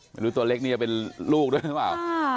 ไปดูตัวเล็กนี้เป็นลูกด้วยใช่ไหมครับฮ่า